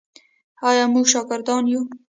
آیا موږ شاکران یو؟